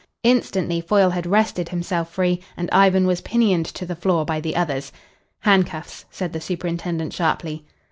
Instantly Foyle had wrested himself free, and Ivan was pinioned to the floor by the others. "Handcuffs," said the superintendent sharply.